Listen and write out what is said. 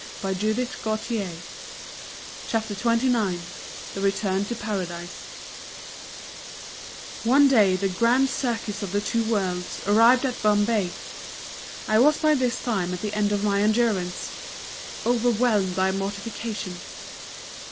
CHAPTER XXIX THE RETURN TO PARADISE One day the "Grand Circus of the Two Worlds" arrived at Bombay. I was by this time at the end of my endurance overwhelmed by mortification....